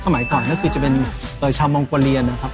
สมัยก่อนก็คือจะเป็นชาวมองโกเลียนะครับ